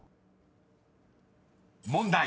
［問題］